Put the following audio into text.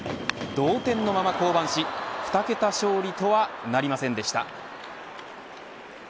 同点のまま降板し２桁勝利とはなりませんでした。